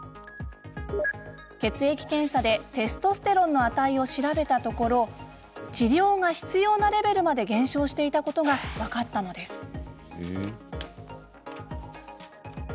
血液検査でテストステロンの値を調べたところ治療が必要なレベルまで減少していたことが分かったのです。